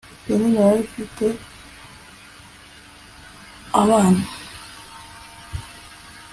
penina yari afite abana